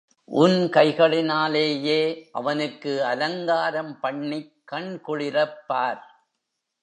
உன் கைகளினாலேயே அவனுக்கு அலங்காரம் பண்ணிக் கண்குளிரப்பார்.